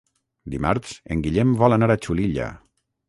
Dimarts en Guillem vol anar a Xulilla.